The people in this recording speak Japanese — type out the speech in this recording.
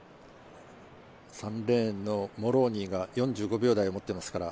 ３レーンのモローニーが４５秒台を持ってますから。